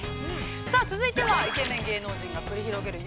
◆さあ、続いてはイケメン芸能人が繰り広げる